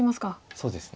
そうですね。